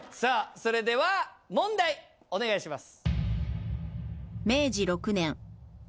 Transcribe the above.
それでは問題お願いします。